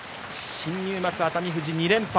新入幕熱海富士２連敗。